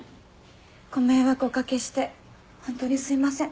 ご迷惑をお掛けして本当にすいません。